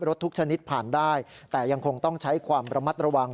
ทุกชนิดผ่านได้แต่ยังคงต้องใช้ความระมัดระวัง